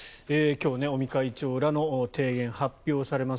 今日、尾身会長らの提言発表されます。